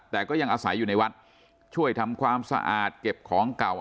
แต่ก็ยังอาศัยอยู่ในวัดช่วยทำความสะอาดเก็บของเก่า